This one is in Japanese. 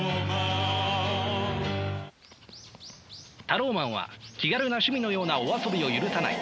タローマンは気軽な趣味のようなお遊びを許さない。